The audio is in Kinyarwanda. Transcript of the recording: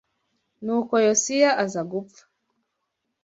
Nuko Yosiya aza gupfa